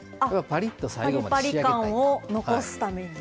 パリパリ感を残すために。